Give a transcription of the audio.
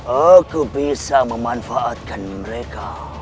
aku bisa memanfaatkan mereka